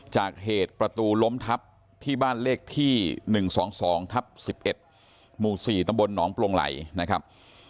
จากเหตุประตูล้มทัพที่บ้านเลขที่๑๒๒ทัพ๑๑ม๔ตนปลงไหล่นะครับ